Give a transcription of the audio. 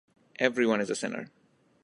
everyone is a sinner